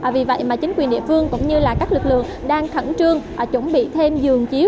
vì vậy mà chính quyền địa phương cũng như các lực lượng đang khẩn trương chuẩn bị thêm giường chiếu